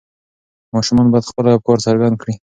ماشومان باید خپل افکار څرګند کړي.